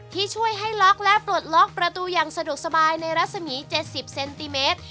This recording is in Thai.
ที่ช่วยให้ล็อกและปลดล็อกประตูอย่างสะดวกสบายในรัศมี๗๐เซนติเมตร